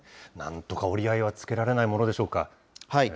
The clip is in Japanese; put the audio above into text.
なんとか折り合いはつけられないものでしょうか。